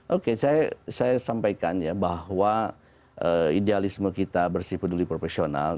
oke saya sampaikan ya bahwa idealisme kita bersih peduli profesional